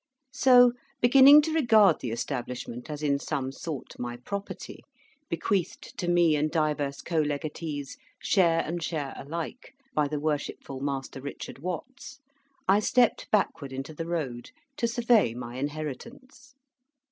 So, beginning to regard the establishment as in some sort my property, bequeathed to me and divers co legatees, share and share alike, by the Worshipful Master Richard Watts, I stepped backward into the road to survey my inheritance.